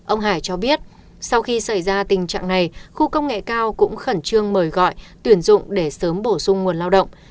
ông hải cho biết sau khi xảy ra tình trạng này khu công nghệ cao cũng khẩn trương mời gọi tuyển dụng để sớm bổ sung nguồn lao động